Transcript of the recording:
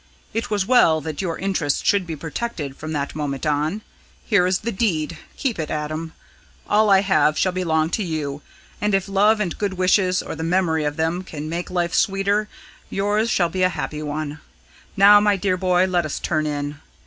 It was well that your interests should be protected from that moment on. Here is the deed keep it, Adam. All I have shall belong to you; and if love and good wishes, or the memory of them, can make life sweeter, yours shall be a happy one. Now, my dear boy, let us turn in.